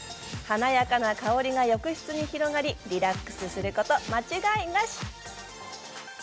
華やかな香りが浴室に広がりリラックスすること間違いなし。